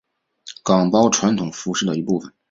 岗包传统服饰的一部分。